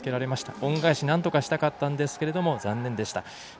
恩返し、なんとかしたかったんですが残念です。